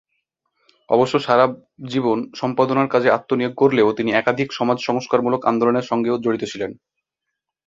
অবশ্য সারা জীবন সম্পাদনার কাজে আত্মনিয়োগ করলেও তিনি একাধিক সমাজ সংস্কারমূলক আন্দোলনের সঙ্গেও জড়িত ছিলেন।